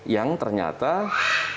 yang ternyata saya menerima